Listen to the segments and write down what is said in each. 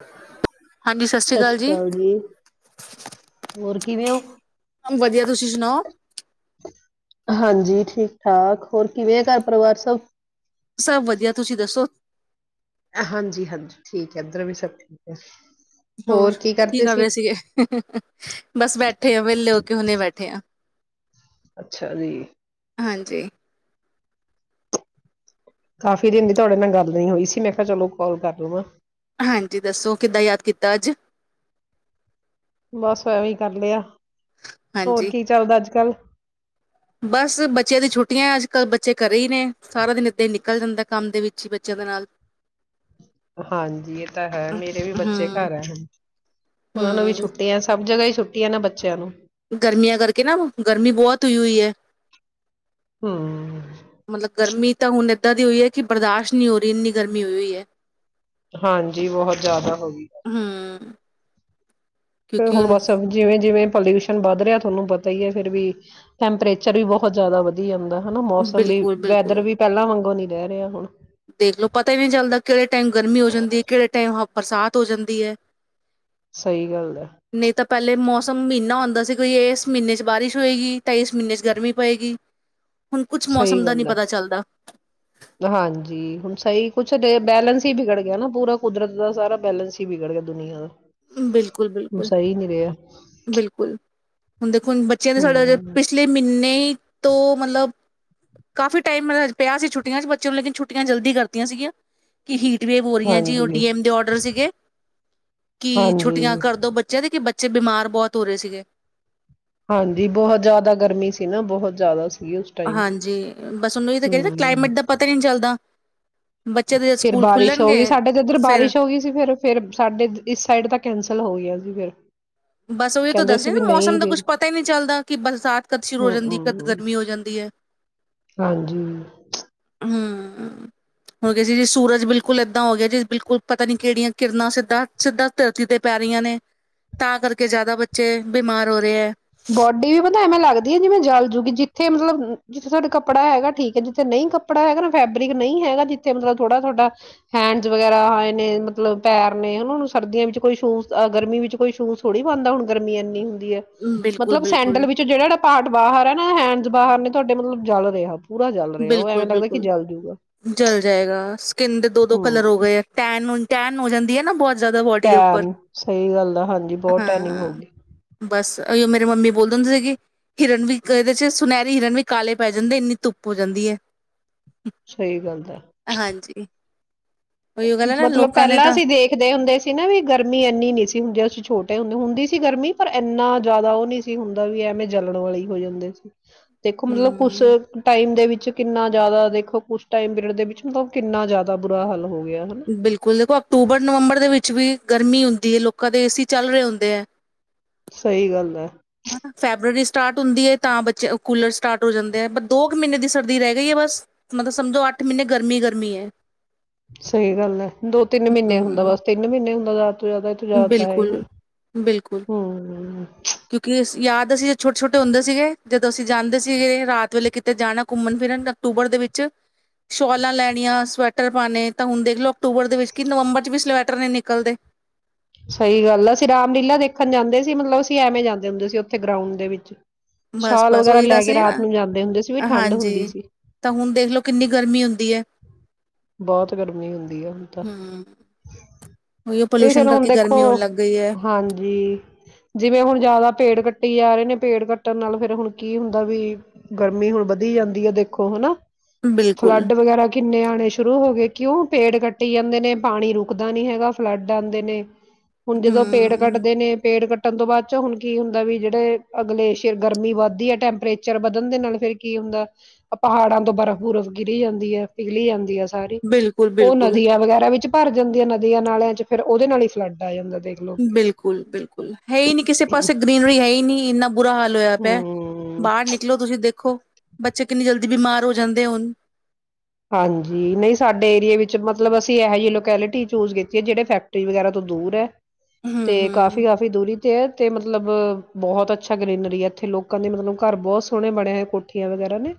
[unintelligible] ਹਾਂਜੀ ਸਤਿ ਸ਼੍ਰੀ ਅਕਾਲ ਜੀ ਹੋਰ ਕਿਵੇਂ ਹੋ ਵਧੀਆ ਤੁਸੀਂ ਸੁਣਾਓ ਹਾਂਜੀ ਠੀਕ ਠਾਕ ਹੋਰ ਕਿਵੇਂ ਆ ਘਰ ਪਰਿਵਾਰ ਸਭ ਸਭ ਵਧੀਆ ਤੁਸੀਂ ਦੱਸੋ ਹਾਂਜੀ ਹਾਂਜੀ ਠੀਕ ਹੈ ਇੱਧਰ ਵੀ ਸਭ ਠੀਕ ਹੈ ਹੋਰ ਕੀ ਕਰ ਰਹੇ ਸੀਗੇ ਬਸ ਬੈਠੇ ਆ ਵਿਹਲੇ ਹੋ ਕੇ ਹੁਣੇ ਬੈਠੇ ਆ ਅੱਛਾ ਜੀ ਹਾਂਜੀ ਕਾਫੀ ਦਿਨ ਦੀ ਤੁਹਾਡੇ ਨਾਲ ਗੱਲ ਨੀ ਹੋਈ ਸੀ ਮੈਂ ਕਿਹਾ ਚਲੋ ਕਾਲ ਕਰ ਲਵਾਂ ਹਾਂਜੀ ਦੱਸੋ ਕਿੱਦਾਂ ਯਾਦ ਕੀਤਾ ਅੱਜ ਬਸ ਐਵੇਂ ਹੀ ਕਰ ਲਿਆ ਹੋਰ ਹਾਂਜੀ ਕੀ ਚੱਲਦਾ ਅੱਜ ਕੱਲ ਬਸ ਬੱਚਿਆਂ ਦੀ ਛੁੱਟੀਆਂ ਅੱਜ ਕੱਲ੍ਹ ਬੱਚੇ ਕਰੇ ਹੀ ਨੇ ਸਾਰਾ ਦਿਨ ਇਏਦਾਂ ਹੀ ਨਿਕਲ ਜਾਂਦਾ ਕੰਮ ਦੇ ਵਿੱਚ ਹੀ ਬੱਚਿਆਂ ਦੇ ਨਾਲ ਹਾਂਜੀ ਇਹ ਤਾਂ ਹੈ ਮੇਰੇ ਵੀ ਬੱਚੇ ਹਮ ਘਰ ਹੈ ਹਨ ਉਹਨਾਂ ਨੂੰ ਵੀ ਹਮ ਛੁੱਟੀੀਆਂ ਸਭ ਜਗ੍ਹਾ ਹੀ ਛੁੱਟੀ ਨਾ ਬੱਚਿਆਂ ਨੂੰ ਗਰਮੀਆਂ ਕਰਕੇ ਨਾ ਗਰਮੀ ਬਹੁਤ ਹੋਈ ਹੋਈ ਹੈ ਹਮ। ਮਤਲਬ ਗਰਮੀ ਤਾਂ ਹੁਣ ੱਦਾਂ ਦੀ ਹੋਈ ਹੈ ਕਿ ਬਰਦਾਸ਼ਤ ਨਹੀਂ ਹੋ ਰਹੀ ਇੰਨੀ ਗਰਮੀ ਹੋਈ ਹੋਈ ਹੈ ਹਾਂਜੀ ਬਹੁਤ ਜ਼ਿਆਦਾ ਹੋ ਗਈ ਆ ਹਮ ਫਿਰ ਹੁਣ ਬਸ ਕਿਉਂਕਿ ਜਿਵੇਂ ਜਿਵੇਂ। ਪੋਲਿਊਸ਼ਨ ਵੱਧ ਰਿਹਾ ਤੁਹਾਨੂੰ ਪਤਾ ਹੀ ਹੈ ਫਿਰ ਵੀ ਟੈਂਪਰੇਚਰ ਵੀ ਬਹੁਤ ਜ਼ਿਆਦਾ ਵਧੀ ਜਾਂਦਾ। ਹਨਾ ਮੌਸਮ ਵੀ ਬਿਲਕੁਲ ਵੈਦਰ ਬਿਲਕੁਲ ਵੀ ਪਹਿਲਾਂ ਵਾਂਗੋ ਨੀ। ਰਹਿ ਰਿਹਾ ਹੁਣ। ਦੇਖਲੋ ਪਤਾ ਹੀ ਨਹੀਂ ਚੱਲਦਾ ਕਿਹੜੇ। ਟਾਈਮ ਗਰਮੀ ਹੋ ਜਾਂਦੀ ਹੈ ਕਿਹੜੇ ਟਾਈਮ। ਬਰਸਾਤ ਹੋ ਜਾਂਦੀ ਹੈ। ਸਹੀ ਗੱਲ ਹੈ ਨਹੀਂ ਤਾਂ ਪਹਿਲੇ ਮੌਸਮ। ਤਾਂ ਮਹੀਨਾ ਆਉਂਦਾ ਸੀ ਕੋਈ ਇਸ ਮਹੀਨੇ ਚ ਬਾਰਿਸ਼ ਹੋਏਗੀ ਤਾਂ ਇਸ ਮਹੀਨੇ ਚ ਗਰਮੀ ਪਏਗੀ। ਹੁਣ ਕੁਛ ਸਹੀ ਮੌਸਮ ਦਾ ਨੀ ਗੱਲ ਹੈ ਪਤਾ ਚੱਲਦਾ। ਹਾਂਜੀ ਹੁਣ ਸਹੀ ਕੁਛ ਬੈਲੇੈਂਸ ਹੀ ਬਗੜ ਗਿਆ ਨਾ ਪੂਰਾ ਕੁਦਰਤ ਦਾ ਸਾਰਾ ਬੈਲੈਂਸ ਹੀ ਬਗੜ ਗਿਆ ਦੁਨੀਆਂ ਦਾ। ਬਿਲਕੁਲ ਹੁਣ ਬਿਲਕੁਲ। ਸਹੀ ਨਹੀਂ ਰਿਹਾ ਬਿਲਕੁਲ ਹੁਣ ਦੇਖੋ। ਹੁਣ ਬੱਚਿਆਂ ਦੇ ਸਾਡਾ ਹਜੇ ਹਮ ਪਿਛਲੇ ਮਹੀਨੇ ਤੋਂ ਮਤਲਬ। ਕਾਫੀ ਟਾਈਮ ਮਤਲਬ ਪਿਆ ਸੀ ਛੁੱਟੀਆਂ ਚ ਬੱਚਿਆਂ ਨੂੰ ਲੇਕਿਨ ਛੁੱਟੀਆਂ ਜਲਦੀ ਕਰਤੀਆਂ ਸੀਗੀਆਂ ਕਿ ਹੀਟ। ਗਰੇਵ ਹੋ ਰਹੀਆਂ ਜੀ ਉਹ ਹਾਂਜੀ ਡੀਐਮ ਦੇ ਔਡਰ ਸੀਗੇ ਕਿ ਹਾਂਜੀ ਛੁੱਟੀਆਂ ਕਰਦੋ ਬੱਚਿਆਂ ਦੇ ਕਿ। ਬੱਚੇ ਬਿਮਾਰ। ਬਹੁਤ ਹੋ ਰਹੇ ਸੀ ਗੇ। ਹਾਂਜੀ ਬਹੁਤ ਜ਼ਿਆਦਾ ਗਰਮੀ ਸੀ ਨਾ ਬਹੁਤ ਜ਼ਿਆਦਾ ਸੀ। ਉਸ ਟਾਈਮ ਹਾਂਜੀ ਬਸ ਉਹਨੂੰ ਇਹ ਤਾਂ ਕਹਿ ਕਲਾਈਮੇਟ ਦਾ ਪਤਾ ਹੀ ਨਹੀਂ ਚੱਲਦਾ। ਬੱਚੇ ਦੇ ਫੇਰ ਸਕੂਲ ਬਾਰਿਸ਼ ਹੋ ਗਈ ਖੁੱਲਣਗੇ ਸਾਡੇ ਏਧਰ ਤਾਂ ਫਿਰ ਬਾਰਿਸ਼ ਹੋ ਗਈ ਸੀ ਫੇਰ ਫਿਰ ਸਾਡੇ ਇਸ ਸਾਈਡ ਤਾਂ ਕੈਂਸਲ ਹੋ ਗਏ। ਫੇਰ। ਬਸ ਉਹੀ ਤਾਂ ਦੱਸਦੇ ਨਾ ਮੌਸਮ ਦਾ ਕੁਛ ਪਤਾ ਹੀ ਨਹੀਂ ਚੱਲਦਾ ਕਿ ਬਰਸਾਤ ਕਦ ਸ਼ੁਰੂ ਹੋ ਹਮ ਜਾਂਦੀ ਕਦ ਹਮ ਗਰਮੀ ਹੋ ਜਾਂਦੀ ਹੈ ਹਾਂਜੀ ਹੂੰ। ਹੂੰ ਹੁਣ ਦੇਖੀਆਂ ਜੀ ਸੂਰਜ ਬਿਲਕੁਲ ਏਦਾਂ ਹੋ ਗਿਆ ਜੀ ਬਿਲਕੁਲ ਪਤਾ ਨੀ ਕਿਹੜੀਆਂ ਕਿਰਨਾਂ ਸਿੱਧਾ ਸਿੱਧਾ ਧਰਤੀ ਤੇ ਪੈ ਰਹੀਆਂ ਨੇ। ਤਾਂ ਕਰਕੇ ਜ਼ਿਆਦਾ ਬੱਚੇ ਬਿਮਾਰ ਹੋ ਰਹੇ ਹੈ। ਇੱਥੇ ਮਤਲਬ ਜਿੱਥੇ ਤੁਹਾਡਾ ਕੱਪੜਾ ਹੈਗਾ ਠੀਕ ਹੈ ਜਿੱਥੇ ਨਹੀਂ ਕੱਪੜਾ ਹੈਗਾ ਨਾ ਫੈਬਰਿਕ ਨਹੀਂ ਹੈਗਾ ਜਿੱਥੇ ਮਤਲਬ ਥੋੜਾ ਤੁਹਾਡਾ ਹੈਂਡਸ ਵਗੈਰਾ ਆਏ ਨੇ ਮਤਲਬ ਪੈਰ ਨੇ ਹਨਾ ਸਰਦੀਆਂ ਵਿੱਚ ਕੋਈ ਸ਼ੂਜ਼ ਗਰਮੀ ਵਿੱਚ ਕੋਈ ਸ਼ੂਜ਼ ਥੋੜ੍ਹੀ ਪਾਉਂਦਾ ਹੁਣ ਗਰਮੀ ਇੰਨੀ ਹੁੰਦੀ। ਹੁੰਦੀ ਹੈ। ਬਿਲਕੁਲ ਮਤਲਬ ਬਿਲਕੁਲ ਸੈਂਡਲ ਵਿੱਚ ਜਿਹੜਾ ਜਿਹੜਾ। ਪਾਰਟ ਬਾਹਰ ਆ ਨਾ ਹੈਂਡਸ ਬਾਹਰ ਨੇ ਤੁਹਾਡੇ ਮਤਲਬ ਜਲ ਰਿਹਾ। ਪੂਰਾ ਜਲ ਰਿਹਾ ਉਹ ਬਿਲਕੁਲ ਐਵੇਂ ਲੱਗਦਾ ਕਿ ਬਿਲਕੁਲ ਜਲ ਜੂਗਾ ਜਲ ਜਾਏਗਾ ਸਕਿੰਨ ਦੇ ਦੋ ਦੋ ਕਲਰ ਹੂੰ ਹੋ ਗਏ ਆ ਟੈਨ। ਟੈਨ ਹੋ ਜਾਂਦੀ ਹੈ ਨਾ ਬਹੁਤ। ਜ਼ਿਆਦਾ ਬੋਡੀ ਦੇ ਉੱਪਰ ਟੈਨ ਸਹੀ ਗੱਲ ਆ ਹਾਂਜੀ ਬਹੁਤ ਟੈਨਿੰਗ ਹੋ ਹਾਂ ਗਈ ਬਸ ਮੇਰੀ ਮੰਮੀ ਬਲੋਦੀ। ਹੁੰਦੀ ਸੀਗੀ ਕਿਰਨ ਵੀ ਇੱਕ ਇਹਦੇ ਚ ਸੁਨਹਿਰੀ ਹਿਰਨ ਵੀ ਕਾਲੇ ਪੈ ਜਾਂਦੇ ਇੰਨੀ ਧੁੱਪ। ਹੋ ਜਾਂਦੀ ਹੈ। ਸਹੀ ਗੱਲ ਹੈ। ਹਾਂਜੀ ਉਹੀਓ ਗੱਲ ਹੈ ਨਾ ਮਤਲਬ ਲੋਕਾਂ ਨੇ ਪਹਿਲਾਂ ਤਾਂ ਅਸੀਂ ਦੇਖਦੇ ਹੁੰਦੇ ਸੀ ਨਾ ਵੀ ਗਰਮੀ ਇੰਨੀ ਨ ਸੀ ਹੁੰਦੀ ਅਸੀਂ ਛੋਟੀ ਹੁੰ ਹੁੰਦੀ ਸੀ ਗਰਮੀ ਪਰ ਇੰਨਾ ਜ਼ਿਆਦਾ ਉਹ ਨਹੀਂ ਸੀ ਹੁੰਦਾ ਵੀ ਐਵੇਂ ਜਲਣ ਵਾਲੇ ਹੋ ਜਾਂਦੇ ਸੀ ਦੇਖੋ ਮਤਲਬ ਕੁ ਹਮ ਟਾਈਮ ਦੇ ਵਿੱਚ ਕਿੰਨਾ ਜ਼ਿਆਦਾ ਦੇਖੋ ਕੁ ਟਾਈਮ ਪੀਰੀਅਡ ਦੇ ਵਿੱਚ ਮਤਲਬ ਕਿੰਨਾ ਜ਼ਿਆਦਾ ਬੁਰਾ ਹਾਲ ਹੋਵੇ ਬਿਲਕੁਲ ਦੇਖੋ ਅਕਤੂਬਰ ਨਵੰਬਰ ਦੇ ਵਿੱਚ ਵੀ ਗਰਮੀ ਹੁੰਦੀ ਹੈ ਲੋਕਾਂ ਦੇ ਏਸੀ ਚੱਲ ਰਹੇ ਹੁੰਦੇ ਹੈ ਸਹੀ ਗੱਲ ਹੈ ਹਨਾ ਫੈਬਰਰੀ ਸਟਾਰਟ ਹੁੰਦੀ ਹੈ ਤਾਂ ਬੱਚੇ ਕੂਲਰ ਸਟਾਰਟ ਹੋ ਜਾਂਦੇ ਹੈ ਬ ਦੋ ਕੁ ਮਹੀਨੇ ਦੀ ਸਰਦੀ ਰਹਿ ਗਈ ਹੈ ਬਸ ਮਤਲਬ ਸਮਝੋ ਅੱਠ ਮਹੀਨੇ ਗਰਮੀ ਗਰਮੀ ਹੈ ਸਹੀ ਗੱਲ ਹੈ ਦੋ ਤਿੰਨ ਮਹੀਨੇ ਹੁੰਦਾ ਹੂੰ, ਬਸ ਤਿੰਨ ਮਹੀਨੇ ਹੁੰ [unintelligible] ਜ਼ਿਆਦਾ ਇਹਥ ਜਾਦਾ ਹੈ ਹੀ ਨੀ ਬਿਲਕੁਲ ਬਿਲਕੁਲ ਹਮ ਕਿਉਂਕਿ ਯਾਦ ਅਸੀ ਛੋਟੇ ਛੋਟੇ ਹੁੰਦੇ ਸੀਗੇ ਜਦੋਂ ਅਸੀਂ ਜਾਂਦੇ ਸੀਗੇ ਰਾਤ ਵੇਲੇ ਕਿਤੇ ਜਾਣਾ ਘੁੰਮਣ ਫਿਰਨ ਅਕਤੂਬਰ ਦੇ ਵਿੱਚ ਸ਼ਾਲਾਂ ਲੈਣੀਆਂ ਸਵੈਟਰ ਪਾਉਣੇ ਤਾਂ ਹੁਣ ਦੇਖ ਲਓ ਅਕਤੂਬਰ ਦੇ ਵਿੱਚ ਕਿ ਨਵੰਬਰ ਚ ਵੀ ਸਵੈਟਰ ਨਹੀਂ ਨਿਕਲਦੇ ਸਹੀ ਗੱਲ ਆ ਅਸੀਂ ਰਾਮਲੀਲਾ ਦੇਖਣ ਜਾਂਦੇ ਸੀ ਮਤਲਬ ਅਸੀਂ ਐਵੇਂ ਜਾਂਦੇ ਹੁੰਦੇ ਸੀ ਉੱਥੇ ਗਰਾਂਡ ਦੇ ਵਿੱਚ ਸ਼ਾਲ ਬਸ-ਬਸ ਵਗੈਰਾ ਉਹੀ ਲੈ ਦੱਸ ਕੇ ਰਹੀ ਆ ਰਾਤ ਨਾ ਨੂੰ ਜਾਂਦੇ ਹੁੰਦੇ ਸੀ ਵੀ ਠੰਡ ਹੁੰਦੀ ਹਾਂਜੀ। ਸੀ ਤਾਂ ਹੁਣ ਦੇਖ ਲਓ ਕਿੰਨੀ ਗਰਮੀ ਹੁੰਦੀ ਹੈ ਬਹੁਤ ਗਰਮੀ ਹੁੰਦੀ ਆ ਹੁਣ ਤਾਂ ਹੂੰ ਉਹੀਓ ਇਹ ਪੋਲਿਊਸ਼ਨ ਫੇਿਰ ਕਰਕੇ ਹੁੰਦਾ ਦੇਖੋ ਗਰਮੀ ਹੋਣ ਲੱਗ ਗਈ ਹੈ ਹਾਂਜੀ ਜਿਵੇਂ ਹੁਣ ਜਿਆਦਾ ਪੇੜ ਕੱ ਕ ਆ ਰਹੇ ਨੇ ਪੇੜ ਕੱਟਣ ਨਾਲ ਫੇਿਰ ਹੁਣ ਕੀ ਹੁੰਦਾ ਵੀ ਗਰਮੀ ਹੁਣ ਵਧੀ ਜਾਂਦੀ ਹੈ ਦੇਖੋ ਹਨਾ ਬਿਲਕੁਲ ਫਲੱਡ ਵਗੈਰਾ ਕਿੰਨੇ ਆਉਣੇ ਸ਼ੁਰੂ ਹੋ ਗਏ ਕਿਉਂ ਪੇੜ ਕੱਟੀ ਜਾਂਦੇ ਨੇ ਪਾਣੀ ਰੁਕਦਾ ਨੀ ਹੈਗਾ ਫਲੱਡ ਆਉਂਦੇ ਨੇ ਹੁਣ ਜਦੋਂ ਪੇੜ ਹੂੰ ਕੱਟਦੇ ਨੇ ਪੇੜ ਕੱਟ ਕੱਟਣ ਤੋਂ ਬਾਅਦ ਚ ਹੁਣ ਕੀ ਹੁੰਦਾ ਵੀ ਜਿਹੜੇ ਅਗਲੇ ਸ਼ੇਰ ਗਰਮੀ ਵੱਧਦੀ ਹੈ ਟੈਂਪਰੇਚਰ ਵਧਣ ਦੇ ਨਾਲ ਫ਼ਿਰ ਕੀ ਹੁੰਦਾ ਪਹਾੜਾਂ ਤੋਂ ਬਰਫ਼ ਬੁਰਫ਼ ਗਿਰੀ ਜਾਂਦੀ ਹੈ ਪਿਘਲੀ ਜਾਂਦੀ ਹੈ ਸਾਰੇ ਉਹ ਬਿਲਕੁਲ-ਬਿਲਕੁਲ, ਨਦੀਆਂ ਵਗੈਰਾ ਵਿੱਚ ਭਰ ਜਾਂਦੀਆਂ ਨਦੀਆਂ ਨਾਲਿਆਂ ਚ ਫਿਰ ਉਹਦੇ ਨਾਲ ਹੀ ਫਲੱਡ ਟਾਇਮ ਦਾ ਬਿਲਕੁਲ ਬਿਲਕੁਲ ਹੈ ਹੀ ਨਹੀਂੀ ਕਿਸੇ ਪਾਸੇ ਗ੍ਰੀਨਰੀ ਹੈ ਹੀ ਨਹੀਂੀ ਇੰਨਾ ਬੁਰਾ ਹਾਲ ਹੋਇਆ ਪਿਆ ਹਮ ਬਾਹਰ ਨਿਕਲੋ ਤੁਸੀਂ ਦੇਖੋ ਬੱਚੇ ਕਿੰਨੀ ਜਲਦੀ ਬਿਮਾਰ ਹੋ ਜਾਂਦੇ ਹੁਣ ਹਾਂਜੀ ਨਹੀਂ ਸਾਡੇ ਏਰੀਏ ਵਿੱਚ ਮਤਲਬ ਅਸੀਂ ਇਹੋ ਜਿਹੀ ਲੋੈਲਿਟੀ ਚੂਜ ਕੀਤੀ ਹੈ ਜਿਹੜੇ ਫੈਕਟਰੀ ਵਗੈਰਾ ਤੋਂ ਦੂਰ ਹੈ ਤੇ ਕਾਫੀ ਹੂੰ-ਹੂੰ, ਕਾਫ਼ੀ ਦੂਰੀ ਤੇ ਹੈ ਤੇ ਮਤਲਬ ਬਹੁਤ ਅੱਛਾ ਗਰੀਨਰੀ ਹੈ ਇੱਥੇ ਲੋਕਾਂ ਦੇ ਮਤਲਬ ਘਰ ਬਹੁਤ ਸੋਹਣੇ ਬਣਿਆ ਹੋਏ ਕੋਠੀਆਂ ਵਗੈਰਾ ਨੇ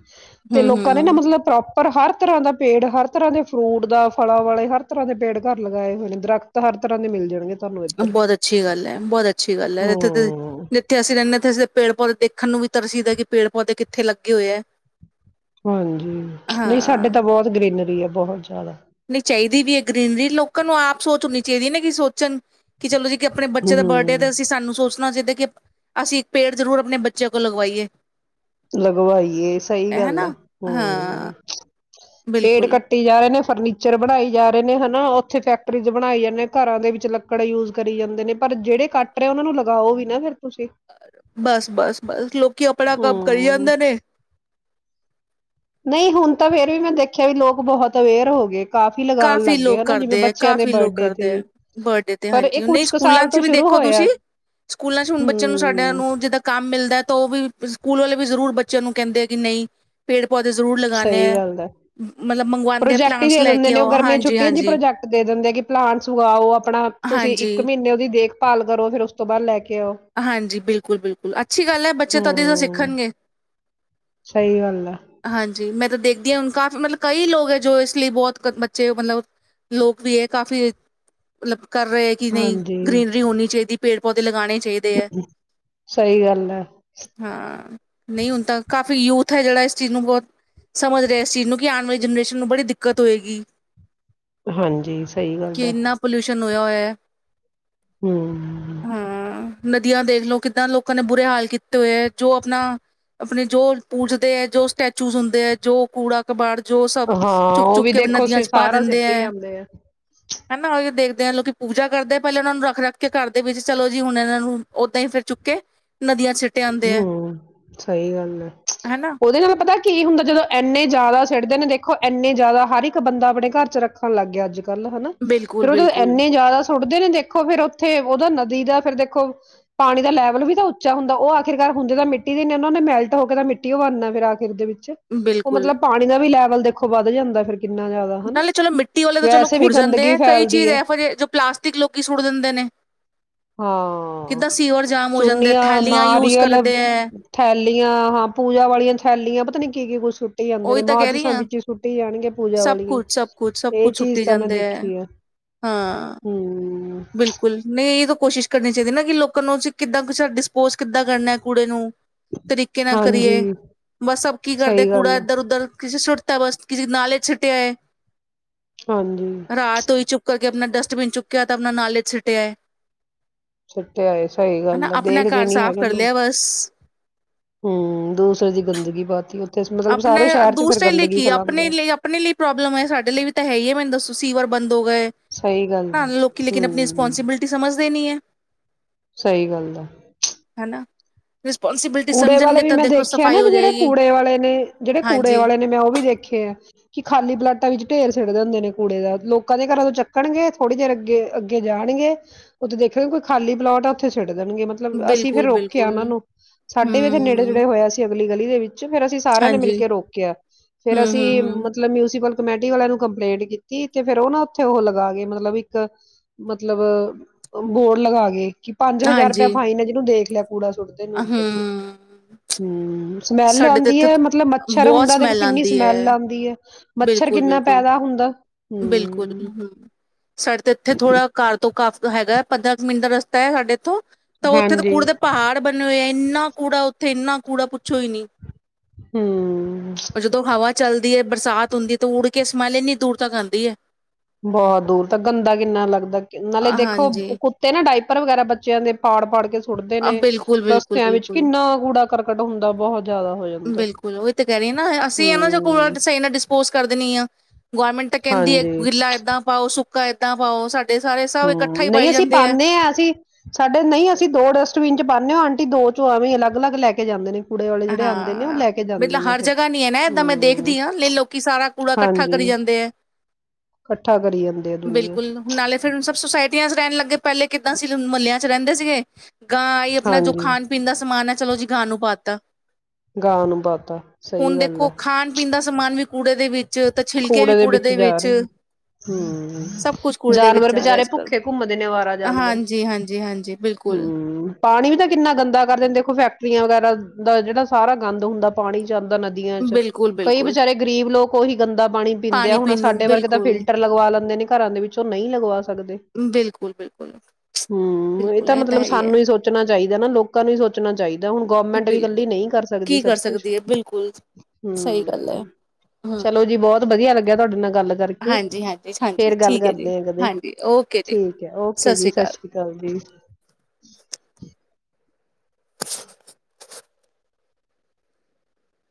ਤੇ ਲੋਕਾਂ ਨੇ ਹੂੰ-ਹੂੰ। ਨਾ ਮਤਲਬ ਪ੍ਰੋਪ ਪਰਰ ਹਰ ਰ ਤਰ੍ਹਾਂ ਦਾ ਪੇੜ ਹਰ ਤਰ੍ਹਾਂ ਦੇ ਫਰੂਟ ਦਾ ਫਲਾਂ ਵਾਲੇ ਹਰ ਤਰ੍ਹਾਂ ਦੇ ਪੇੜ ਘਰ ਲਗਾਏ ਹੋਏ ਨੇ ਦਰਖਤ ਹਰ ਤਰ੍ਹਾਂ ਦੇ ਮਿਲ ਜਾਣਗੇ ਤੁਹਾਨੂੰ ਇੱਧਰ। ਬਹੁਤ ਅੱਛੀ ਗੱਲ ਹੈ ਬਹੁਤ ਅੱਛੀ ਗੱਲ ਹੈ ਜੱਥੇ ਹੂੰ ਜਿੱਥੇ ਅਸੀਂ ਰਹਿੰਦੇ ਹਾਂਥੇ ਅ ਪੇੜ ਪੌਦੇ ਦੇਖਣ ਨੂੰ ਵੀ ਤਰਸੀ ਦਾ ਕਿ ਪੇੜ ਪੌਦੇ ਕਿੱਥੇ ਲੱਗੇ ਹੋਏ ਹੈ ਹਾਂਜੀ ਨਹੀਂ ਸਾਡੇ ਹਾਂ ਤਾਂ ਬਹੁਤ ਗਰੀਨਰੀ ਆ ਬਹੁਤ ਜ਼ਿਆਦਾ ਚਾਹੀਦੀ ਵੀ ਹੈ ਗਰੀਨਰੀ ਲੋਕਾਂ ਨੂੰ ਆਪ ਸੋਚਣੀ ਚਾਹੀਦੀ ਹੈ ਨਾ ਕਿ ਸੋਚਣ ਕਿ ਚਲੋ ਜੀ ਆਪਣੇ ਬੱਚੇ ਦਾ ਬਰਡੇ ਤੇ ਹੂੰ ਅਸੀਂ ਸਾਨੂੰ ਸੋਚਣਾ ਚਾਦੇ ਕਿ ਅਸੀਂ ਇੱਕ ਪੇੜ ਜ਼ਰੂਰ ਆਪਣੇ ਬੱਚਿਆਂ ਕੋਲ ਲਗਵਾਈਏ ਲਗਵਾਈਏ ਸਹੀ ਗੱਲ ਹੈ ਹਨਾ ਹਾਂ ਹਮ ਪੇੜ ਬਿਲਕੁਲ ਕੱਟੀ ਜਾ ਰਹੇ ਨੇ ਫਰਨੀਚਰ ਬਣਾਏ ਜਾ ਰਹੇ ਨੇ ਹਨਾ ਉੱਥੇ ਫੈਕਟਰੀ ' ਬਣਾਈ ਜਾਂਦੇ ਘਰਾਂ ਦੇ ਵਿੱਚ ਲੱਕੜ ਯੂਜ ਕਰੀ ਜਾਂਦੇ ਨੇ ਪਰ ਜਿਹੜੇ ਕੱਟ ਰ ਆ ਉਹਨਾਂ ਨੂੰ ਲਗਾਓ ਵੀ ਨਾ ਫਿਰ ਤੁਸੀਂ ਬਸ ਬਸ ਬਸ ਲੋਕੀ ਆਪਣਾ ਕੰਮ ਕਰ ਹਰੀਦ ਹੂੰ ਨੇੇ ਨਹੀਂ ਹੁਣ ਤਾਂ ਫੇਰ ਵੀ ਮੈਂ ਦੇਖਿਆ ਵੀ ਲੋਕ ਬਹੁਤ ਅਵੇਅਰ ਹੋ ਗਏ ਲਗਾਉਣ ਕਾਫ਼ੀ ਲੱਗ ਗਏ ਲੋਕ ਹਨਾ ਜਿਵੇਂ ਕਰਦੇ ਹੈ ਬੱਚਿਆਂ ਦੇ ਕਾਫ਼ੀ ਲੋਕ ਬਰਡੇ ਤੇ ਕਰਦੇ ਹੈ ਵੀ ਬਰਡੇ ਤੇ ਪਰ ਹਾਂਜੀ ਇਹ ਨਹੀਂ ਕੁਛ ਕੁ ਸਕੂਲਾਂ ਸਾਲ ਚ ਤੋਂ ਵੀ ਸ਼ੁਰੂ ਦੇਖੋ ਹੋਇਆ ਤੁਸੀਂ ਸਕੂਲਾਂ ਚ ਹੁਣ ਬੱਚਿਆਂ ਨੂੰ ਸਾਡਿਆਂ ਹੂੰ ਨੂੰ ਜਿੱਦਾਂ ਕੰਮ ਮਿਲਦਾ ਤਾਂ ਉਹ ਵੀ ਸਕੂਲ ਵਾਲੇ ਵੀ ਜ਼ਰੂਰ ਬੱਚਿਆਂ ਨੂੰ ਕਹਿੰਦੇ ਆ ਕਿ ਨਹੀਂ ਪੇੜ ਪੌਦੇ ਜ਼ਰੂਰ ਲਗਾਉਣੇ ਸਹੀ ਆ ਗੱਲ ਹੈ ਮਤਲਬ ਮੰਗਵਾਉਂਦੇ ਆ ਪ੍ਰੋਜੈਕਟ ਹੀ ਪਲਾਂਟਸ ਦੇ ਲੈ ਦਿੰਦੇ ਕੇ ਨੇ ਉਹ ਗਰਮੀਆਂ ਹਾਂਜੀ ਛੁਟੀਆਂ ਜ ਹੀ ਹਾਂਜੀ ਪ੍ਰੋਜੈਕਟ ਦੇ ਦਿੰਦੇ ਕਿ ਪਲਾਂਟਸ ਉਗਾਓ ਆਪਣਾ ਤੁਸੀਂ ਹਾਂਜੀ ਇੱਕ ਮਹੀਨੇ ਉਹਦੀ ਦੇਖਭਾਲ ਕਰੋ ਫੇਿਰ ਉਸ ਤੋਂ ਬਾਅਦ ਲੈ ਕੇ ਆਓ ਹਾਂਜੀ ਬਿਲਕੁਲ ਬਿਲਕੁਲ ਅੱਛੀ ਗੱਲ ਹੈ ਬੱਚੇ ਤਾਂਦੇ ਤਾਂ ਹੂੰ ਸਿੱਖਣਗੇ ਸਹੀ ਗੱਲ ਆ ਹਾਂਜੀ ਮੈਂ ਤਾਂ ਦੇਖ [unintelligible] ਕਾਫੀ ਮਤਲਬ ਕਈ ਲੋਕ ਹੈ ਜੋ ਇਸ ਲਈ ਬਹੁਤ ਬੱਚੇ ਮਤਲਬ ਲੋਕ ਵੀ ਹੈ ਕਾਫੀ ਮਤਲਬ ਕਰ ਰਹੇ ਹੈ ਕਿ ਨਹੀਂ ਹਾਂਜੀ, ਗਰੀੀਨਰੀ ਹੋਣੀ ਚਾਹੀਦੀ ਪੇੜ ਪੌਦੇ ਲਗਾਉਣੇ ਸਹੀ ਗੱਲ ਹੈ। ਹਾਂ ਨਹੀਂ ਹੁਣ ਤਾਂ ਕਾਫ ਕਾਫ਼ੀ ਯੂਥ ਹੈ ਜਿਹੜਾ ਇਸ ਚੀਜ਼ ਨੂੰ ਬਹੁਤ ਸਮਝ ਰਿਹਾ ਇਸ ਚੀਜ਼ ਨੂੰ ਕਿ ਆਉਣ ਵਾਲੀ ਜਨਰੇਸ਼ਨ ਨੂੰ ਬੜੀ ਦਿੱਕਤ ਹੋਏਗੀ ਹਾਂਜੀ ਸਹੀ ਗੱਲ ਹੈ ਨ ਹੋਇਆ ਹੋਇਆ ਹਾਂ ਹਮ ਨਦੀਆਂ ਦੇਖਲੋ ਕਿੱਦਾਂ ਲੋਕਾਂ ਨੇ ਬੁਰੇ ਹਾਲ ਕੀਤੇ ਹੋਏ ਹੈ ਜੋ ਆਪਣਾ ਆਪਣੇ ਜੋ ਪੂਜਦੇ ਹੈ ਜੋ ਸਟੈਚੂਜ ਹੁੰਦੇ ਹੈ ਜੋ ਕੂੜਾ ਕਬੜ ਹਾਂ ਉਹ ਵੀ ਦੇਖੋ ਅਸੀਂ ਸਾਰਾ ਸਿੱਟ ਦਿੰਦੇ ਹੀ ਹੈ ਆਉਂਦੇ ਆ ਹਨਾ ਉਹ ਦੇਖਦੇ ਆ ਲੋਕੀ ਪੂਜਾ ਕਰਦੇ ਪਹਿਲਾਂ ਉਹਨਾਂ ਨੂੰ ਰੱਖ ਰੱਖ ਕੇ ਘਰ ਦੇ ਵਿੱਚ ਚਲੋ ਜੀ ਹੁਣ ਇਹਨਾਂ ਨੂੰ ਓਦਾਂ ਹੀ ਫਿਰ ਚੁੱਕੇ ਹਮ ਸਹੀ ਗੱਲ ਹੈ ਹਨਾ ਉਹਦੇ ਨਾਲ ਪਤਾ ਕੀ ਹੁੰਦਾ ਜਦੋਂ ਇੰਨੇ ਜ਼ਿਆਦਾ ਸਟਦੇ ਨੇ ਦੇਖੋ ਇੰਨੇ ਜ਼ਿਆਦਾ ਹਰ ਇੱਕ ਬੰਦਾ ਆਪਣੇ ਘਰ ਚ ਰੱਖਣ ਲੱਗ ਗਿਆ ਅੱਜ ਗੱਲ ਹਨਾ ਬਿਲਕੁਲ ਫਿਰ ਉਹ ਜਦੋਂ ਬਿਲਕੁਲ ਇੰਨੇ ਜ਼ਿਆਦਾ ਸੁੱਟਦੇ ਨੇ ਦੇਖੋ ਫੇਿਰ ਉੱਥੇ ਉਹਦਾ ਨਦੀ ਦਾ ਫੇਿਰ ਦੇਖੋ ਪਾਣੀ ਦਾ ਲੈਵਲ ਵੀ ਤਾਂ ਉੱਚਾ ਹੁੰਦਾ ਉਹ ਆਖਿਰਕਾਰ ਹੁੰਦੇ ਤਾਂ ਮਿੱਟੀ ਦੇ ਨੇ ਉਹਨਾਂ ਨੇ ਮੈਲਟ ਹੋ ਕੇ ਤਾਂ ਮਿੱਟੀ ਉਹ ਬਣਨਨਾ ਫਿਰ ਆਖਿਰ ਦੇ ਵਿੱਚ ਉਹ ਬਿਲਕੁਲ ਮਤਲਬ ਪਾਣੀ ਦਾ ਵੀ ਲੈ, [unintelligible] ਦੇਖੋ ਵੱਧ ਜਾਂਦਾ ਫਿਰ। ਕਿੰਨਾ ਜ਼ਿਆਦਾ ਹਨਾ। ਨਾਲੇ ਚਲੋ ਮਿੱਟੀ ਵਾਲੇ ਤਾਂ ਚਲੋ ਵੈਸੇ ਵੀ ਖੁੜ ਜਾਂਦੇ ਗੰਦਗੀ ਹੈ। ਕਈ ਫੈਲਦੀ ਚੀਜ਼ ਹੈ ਇਹੋ ਜਹੇ ਜੋ ਪਲਾਸਟਿਕ ਲੋਕ ਸੁੱਟ ਦਿੰਦੇ ਨੇ, ਹਾਂ ਕਿੱਦਾਂ ਸੀਵਰ ਜਾਮ ਹੋ ਜਾਂਦਾ ਥੈਲੀਆਂ ਯੂਜ। ਮਲਬ ਕਰਦੇ ਹੈ ਥੈਲੀਆਂ ਹਾਂ ਪੂਜਾ ਵਾਲੀਆਂ ਥੈਲੀਆਂ। ਪਤਾ ਨਹੀਂ ਇਹ ਕੀ ਕੀ ਕੁਛੱ। ਸੁੱਟੀ ਜਾਂਦੇ ਨੇ ਉਹੀ ਤਾਂ ਕਹਿ ਰਹੀ ਮਾਚਿਸਾਂ ਹਾਂ ਵਿੱਚ ਸੁੱਟੀ ਜਾਣਗੇ ਪੂਜਾ ਸਭ ਵਾਲੀੀਆਂ ਕੁਛ ਸਭ ਕੁਛ ਸਭ ਇਹ ਕੁਛ ਚੀਜ਼ ਸੁੱਟੀ ਤਾਂ ਮੈਂ ਜਾਂਦੇ ਹੈ ਦੇਖੀ ਆ ਹਾਂ ਹਮ। ਬਿਲਕੁਲ ਨਹੀਂ ਇਹ। ਕੋਸ਼ਿਸ਼ ਕਰਨੀ ਚਾਹੀਦੀ ਨਾ ਕਿ ਲੋਕਾਂ ਨੂੰ ਅਸੀ ਕਿੱਦਾਂ ਕੁ ਡਿਸਪੋਜ ਕਿੱਦਾਂ ਕਰਨਾ ਕੁੂੜੇ ਨੂੰ। ਤਰੀਕੇ ਨਾਲ ਕਰੀਏ ਹਾਂਜੀ ਬਸ ਸਭ ਕੀ ਕਰਦੇ ਸਹੀ ਕੂੜਾ ਗੱਲ ਆ ਇੱਧਰ ਉੱਧਰ ਕਿਸੇ ਛੁ। ਤਾਂ ਬਸ ਕਿ ਨਾਲੇ ਛਟੇ ਹੈ। ਹਾਂਜੀ ਰਾਤ ਉਈ ਚੁੱਕ। ਆਪਣਾ ਡਸਟਬਿਨ ਚੁੱਕਿਆ। ਆਪਣਾ ਨੌਲੇਜ ਛੁਟਿਆ ਹੈ। ਸੁਿੱਟੇ ਆਏ ਸਹੀ ਹਨਾ ਗੱਲ ਆ। ਆਪਣਾ ਦੇਖਦੇ ਘਰ ਨੀ ਸਾਫ਼ ਹੈਗੇ ਕਰ ਲੋਕ। ਲਿਆ ਬਸ ਹਮ ਦੂਸਰੇ ਦੀ ਗੰਦਗੀ ਬਹੁਤੀ। ਆਪਣੇ ਦੂਸਰੇ ਲਈ ਕੀ ਆਪਣੇ ਆ ਲਈ ਆਪਣੇ ਲਈ ਪ੍ਰੋਬਲਮ ਹੈ। ਸਾਡੇ ਲਈ ਵੀ ਤਾਂ ਹੈ, ਹੀ ਹੈ ਮੈਨੂੰ ਦੱਸੋ। ਸੀਂਵਰ ਬੰਦ। ਹੋ ਗਏ ਸਹੀ ਗੱਲ ਆ ਹਾਂ ਲੋਕ ਕੀ ਲੋਕ ਆਪਣੀ ਹਮ ਰਿਸਪੋਂਸਿਬਿਲਿਟੀ ਸਮਝ। [unintelligible] ਹੈ। ਸਹੀ ਗੱਲ ਆ। ਰਿਸਪੋਂਸਬਿਲਿਟੀ ਕੂੜੇ ਵਾਲੇ ਸਮਝਣਗੇ ਵੀ ਤਾਂ ਮੈਂ ਦੇਖੋ ਦੇਖੇ ਆ ਨਾ ਸਫ਼ਾਈ ਵੀ ਹੋ ਜਿਹੜੇ ਜਾਏਗੀ। ਕੂੜੇ ਵਾਲੇ ਨੇ ਜਿਹੜੇ ਕੂੜੇ ਹਾਂਜੀ ਵਾਲੇ ਨੇ ਮੈਂ ਉਹ ਵੀ ਦੇਖੇ ਆ ਕਿ ਖਾਲੀ ਬਲੱਡ। ਵਿੱਚ ਢੇਰ ਸਿੜਦੇ ਹੁੰਦੇ ਨੇ। ਕਿਦਾਂ ਲੋਕਾਂ ਦੇ ਘਰਾਂ ਤੋਂ ਚੱਕਣਗੇ ਥੋੜੀ ਦੇਰ ਅੱਗੇ -ਅੱਗੇ ਜਾਣਗੇ ਉੱਥੇ ਦੇਖਗੇ ਕੋਈ ਖਾਲੀ ਪਲੋਟ ਆ। ਉੱਥੇ ਸ ਦੇਣਗੇ ਮਤਲਬ ਅਸੀਂ ਫੇਿਰ ਬਿਲਕੁਲ ਰੋਕਿਆ ਬਿਲਕੁਲ ਉਹਨਾਂ ਨੂੰ। ਸਾਡੇ ਇੱਥ ਹੂੰ ਨੇੜੇੁੜੇ ਹੋਇਆ ਸੀ। ਅਗਲੀ ਗਲੀ ਦੇ ਵਿੱਚ। ਫੇਰ ਅਸੀਂ ਸਾਰਿਆਂ ਨੇ ਮਿਲ ਹਾਂਜੀ ਕੇ ਰੋਕਿਆ। ਹੂੰ ਫੇਰ ਹੂੰ ਅਸੀਂ ਹੂੰ ਮਤਲਬ ਮਿਊਸੀਪਲ ਕਮੇਟੀ ਵਾਲਿਆਂ ਨੂੰ ਕੰਪਲੇਂਟ ਕੀਤੀ ਤੇ ਫੇਿਰ ਉਹ ਨਾ ਉੱਥੇ ਉਹ ਲਗਾ ਗੇ। ਮਤਲਬ ਇੱਕ, ਮਤਲਬ ਬੋਰਡ ਲਗਾ ਗ ਕਿ ਪੰਜ ਹਜ਼ਾਰੁਪਆ ਹਾਂਜੀ ਫਾਈਨ ਹੈ। ਜਿਹਨੂੰ ਦੇਖ ਲਿਆ ਕੂੜਾ ਸੁੱਡ ਨੁਕ [inaudible] ਹੂੰ ਹਮ। ਸਮੈਲ ਸਾਡੇ ਤਾਂ ਆਉਂਦੀ ਇੱਥੇ ਹੈ ਮਤਲਬ ਮੱਛਰ ਬਹੁਤ ਹੁੰਦੈ ਦੇਖੋ ਸਮੈਲ ਕਿੰਨੀ ਆਉਂਦੀ ਸਮੈਲ ਹੈ ਆਉਂਦੀ ਹੈ ਮੱਛਰ ਬਿਲਕੁਲ ਕਿੰਨਾ ਬਿਲਕੁਲ ਪੈਦਾ ਹੁੰਦਾ ਬਿਲਕੁਲ ਹੂੰ। ਹਮ ਸਾਡੇ ਤੇ ਇੱਥੇ ਥੋੜਾ ਘਰ ਤੋਂ ਕਮ ਹੈਗਾ ਹੈ ਪੰਦਰਾਂ ਕੁ ਮਿੰਟ ਦਾ ਰਸਤਾ ਹੈ ਸਾਡੇੱ ਐਥੋਂ ਤਾਂ ਉੱਥੇ ਤਾਂ ਹਾਂਜੀ। ਕੂੜੇ ਦੇ ਪਹਾੜ ਬਣੇ ਹੋਏ ਐ ਇੰਨਾ ਕੂੜਾ ਉੱਥੇ ਇੰਨਾ ਕੂੜਾ ਪੁੱਛੋ ਹੀ ਨਹੀਂ ਹਮ ਚਲਦੀ ਹੈ ਬਰਸਾਤ ਹੁੰਦੀ ਤੇ ਉੱੜ ਕੇ ਸਮੈਲ ਇਨੀ ਦੂਰ ਤਕ ਆਂਦੀ ਹੈ ਬਹੁਤ ਦੂਰ ਤੱਕ ਗੰਦਾ ਕਿੰਨਾ ਲੱਗਦੈ ਨਾਲੇ ਦੇਖੋ ਹਾਂਜੀ ਕੁੱਤੇ ਨਾ ਡਾਈਪ ਪਰ ਵਗੈਰਾ ਬੱਚਿਆਂ ਦੇ ਪਾੜ ਪਾੜ ਕੇ ਸੁੱਟਦੇ ਅ, ਨੇ ਬਿਲਕੁਲ ਬਿਲਕੁਲ ਰਸਤਿਆਂ ਵਿੱਚ ਬਿਲਕੁਲ ਕਿੰਨਾ ਕੂੜਾ ਕਰਕਟ ਹੁੰਦਾ ਬਹੁਤ ਜ਼ਿਆਦਾ ਹੋ ਜਾਂਦਾ, ਬਿਲਕੁਲ ਉਹੀ ਤਾਂ ਕਹਿ ਰਹੀ ਆ ਨਾ ਅਸੀਂ ਇਨ੍ਹਾਂ ਜਿਹਾ ਕੂੜਾ ਹੂੰ। ਸਹੀ ਨਾਲ ਡਿਸਪੋਜ ਕਰ ਦੇਨੀ ਆ ਗੌਰਮੈਂਟ ਤਾਂ ਕਹਿੰਦੀ ਹੈ ਹਾਂਜੀ, ਗਿੱਲਾ ਏਦਾਂ ਪਾਓ ਸੁ ਕਾ ਇਦਾਂ ਪਾਓ ਸਾਡ ਹਮ ਨਹੀਂ ਅਸੀਂ ਪਾਉਂਦੇ ਹ ਅਸੀਂ ਸਾਡੇ ਨਹੀਂ ਅਸੀਂ ਦੋ ਡਸਟਬਿਨ ਚ ਪਾਉਂਦੇ ਹਾਂ ਓਹ ਆਂਟੀ ਦੋ ਚੋ ਐਵੈਂ ਅਲੱਗ ਅਲੱਗ ਲੈ ਕੇ ਜਾਂਦੇ ਨੇ ਕੂੜੇ ਵਾਲੇ ਜਿਹੜੇ ਆਂਦੇ ਨੇ ਉਹ ਹਾਂ ਲੈ ਕੇ ਬੇਲਾ ਜਾਂਦੇ ਨੇ ਹਰ ਫਿਰ, ਜਗ੍ਹਾ ਨੀ ਹੈ ਨਾ ਏਦਾਂ ਮੈਂ ਹੂੰ। ਦੇਖਦੀ ਹਾਂ ਲੋਕੀ ਸਾਰਾ ਕੂੜਾ ਇਕੱਠਾ ਹਾਂਜੀ ਕਰੀ ਜਾਂਦੇ ਹੈ ਇਕੱਠਾ ਕਰੀ ਜਾਂਦੇ ਆ ਦੁਨੀਆ ਬਿਲਕੁਲ ਹੁਣ ਨਾਲੇ ਫਿਰ ਹੁਣ ਸਭ ਸੋਸਾਇਟੀਆਂ ਚ ਰਹਨ ਲੱਗੇ ਪਹਿਲੇ ਕਿੱਦਾਂ ਸੀ ਜਦੋਂ ਮੱਹਲਿਆਂ ਚ ਰਹਿੰਦੇ ਸੀ [unintelligible] ਗਾਂ ਹੀ ਆਪਣਾ ਜੋ ਹਾਂਜੀ ਖਾਣ ਪੀਣ ਦਾ ਸਮਾਨ ਹੈ ਚਲੋ ਜੀ ਗਾ ਨੂੰ ਪਾਤਾ ਗਾ ਨੂੰ ਪਾਤਾ ਸਹੀ ਹੁਣ ਗੱਲ ਦੇਖੋ ਹੈ ਖਾਣ ਪੀਣ ਦਾ ਸਮਾਨ ਵੀ ਕੂੜੇ ਦੇ ਵਿੱਚ ਤਾਂ ਛਿਲਕੇ ਵੀ ਕੂੜੇ ਦੇ ਵਿੱਚ ਜਾ ਰਹੇ ਹਮ ਸਭ ਕੁਛ ਕੂੜੇ ਦੇ ਵਿੱਚ ਜਾਨਵਰ ਜਾ ਰਿਹਾ ਬੇਚਾਰੇ ਅੱਜ ਕੱਲ ਭੁੱਖੇ ਘੁੰਮਦੇ ਨੇ ਅਵਾਰਾ ਜਾਨਵਰ ਹਾਂਜੀ ਹਾਂਜੀ ਹਾਂਜੀ ਬਿਲਕੁਲ ਹਮ ਪਾਣੀ ਵੀ ਤਾਂ ਕਿੰਨਾ ਗੰਦਾ ਕਰਦੇ ਨੇ ਦੇਖੋ ਫੈਕਟਰੀਆਂ ਵਗੈਰਾ ਦਾ ਜਿਹੜਾ ਸਾਰਾ ਗੰਦ ਹੁੰਦਾ ਪਾਣੀ ਚ ਜਾਂਦਾ ਨਦੀਆਂ ਚ ਬਿਲਕੁਲ ਕਈ ਬਿਲਕੁਲ ਵਿਚਾਰੇ ਗਰੀਬ ਲੋਕ ਉਹੀ ਗੰਦਾ ਪਾਣੀ ਪੀਂਦੇ ਆ ਹੁਣ ਪੀਣ ਨੂੰ ਸਾਡੇ ਵਰਗੇ ਤਾਂ ਬਿਲਕੁਲ ਫਿਲਟਰ ਲਗਵਾ ਲੈਂਦੇ ਨੇ ਘਰਾਂ ਦੇ ਵਿੱਚ ਉਹ ਨਹੀਂ ਲਗਵਾ ਸਕਦੇ ਬਿਲਕੁਲ ਬਿਲਕੁਲ ਹਮ ਇਹ ਤਾਂ ਮਤਲਬ ਸਾਨੂੰ ਹੀ ਸੋਚਣਾ ਚਾਹੀਦਾ ਨਾ ਲੋਕਾਂ ਨੂੰ ਹੀ ਸੋਚਣਾ ਚਾਹੀਦੈ ਤੇ ਹੁਣ ਗੌਰਮੈਂਟ ਵੀ ਇਕੱਲੀ ਬਿਲਕੁਲ ਨਹੀਂ ਕਰ ਸਕਦੀ ਕੀ ਸਭ ਕਰ ਕੁਛ ਸਕਦੀ ਹੈ ਬਿਲਕੁਲ ਸਹੀ ਗੱਲ ਹੈ ਹਮ ਹਮ ਚਲੋ ਜੀ ਬਹੁਤ ਵਧੀਆ ਲਗਿਆ ਤੁਹਾਡੇ ਨਾਲ। ਗੱਲ ਕਰਕੇ ਹਾਂਜੀ ਹਾਂਜੀ ਹਾਂਜੀ ਫੇਰ ਗੱਲ ਠੀਕ ਹੈ ਜੀ ਕਰਦੇ ਆ ਕਦੇ ਹਾਂਜੀ ਓਕੇ ਜੀ ਠੀਕ ਹੈ ਓਕੇ ਜੀ ਸਤਿ ਸ੍ਰੀ ਅਕਾਲ ਜੀ। [unintelligible]